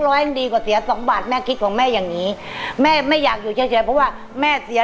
ร้อยดีกว่าเสียสองบาทแม่คิดของแม่อย่างนี้แม่ไม่อยากอยู่เฉยเฉยเพราะว่าแม่เสีย